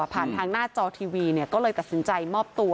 ผ่านทางหน้าจอทีวีก็เลยตัดสินใจมอบตัว